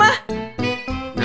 wah indra ikut ya mak